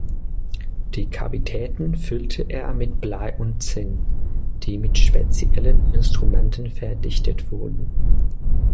Die Kavitäten füllte er mit Blei und Zinn, die mit speziellen Instrumenten verdichtet wurden.